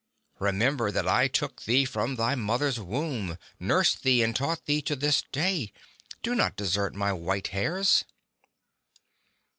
Remember that I took thee from thy mother's womb, nursed thee, and taught thee to this day. Do not desert my white hairs."